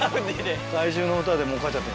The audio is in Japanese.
『怪獣』の歌でもうかっちゃって。